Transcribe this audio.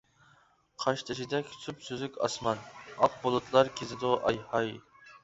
قاشتېشىدەك سۈپسۈزۈك ئاسمان، ئاق بۇلۇتلار كېزىدۇ ئاي-ھاي.